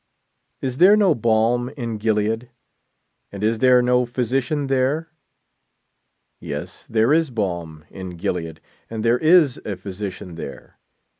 Is there no balm in Gilead, and is there no physician there? Yes, there is balm in Gilea^ and there is a ph} sician there.